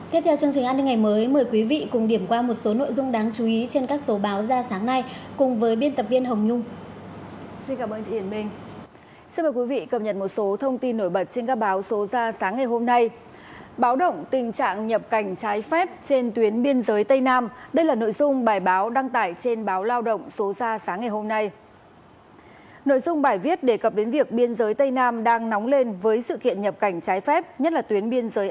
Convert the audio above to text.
tiếp theo chương trình an ninh ngày mới mời quý vị cùng điểm qua một số nội dung đáng chú ý trên các số báo ra sáng nay cùng với biên tập viên hồng nhung